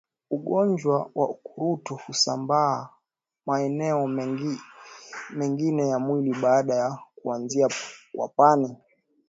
Ugonjwa wa ukurutu husambaa maeneo mengine ya mwili baada ya kuanzia kwapani